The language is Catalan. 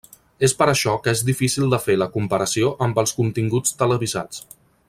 És per això que és difícil de fer la comparació amb els continguts televisats.